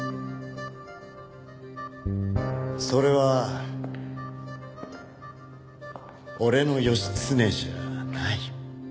それは俺の義経じゃない。